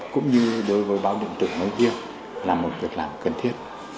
cũng như đối với báo điện tử nói riêng là một việc làm cần thiết